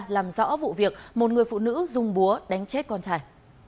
làm rõ vụ việc một người phụ nữ dùng búa đánh chết con trai